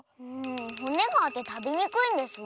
ほねがあってたべにくいんですわ。